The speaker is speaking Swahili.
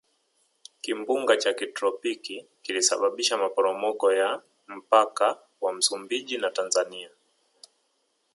kimbunga cha kitropiki kilisababisha maporomoko ya mpaka wa msumbiji na tanzania